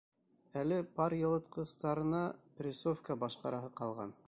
Әле пар йылытҡыстарына прессовка башҡараһы ҡалған.